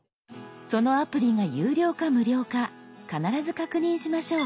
そのアプリが有料か無料か必ず確認しましょう。